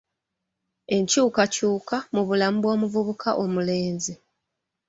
Enkyukakyuka mu bulamu bw'omuvubuka omulenzi.